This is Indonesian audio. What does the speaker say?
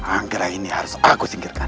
anggrahini harus aku singkirkan